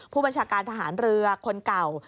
ผู้บัญชาการทหารเรือคนเก่า